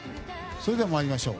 それでは参りましょう。